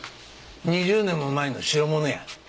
２０年も前の代物や。